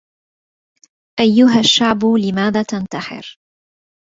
أيها الشعب لماذا تنتحر